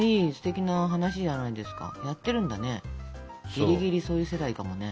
ギリギリそういう世代かもね。